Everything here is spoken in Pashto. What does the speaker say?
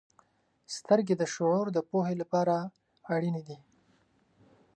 • سترګې د شعور د پوهې لپاره اړینې دي.